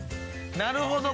なるほど。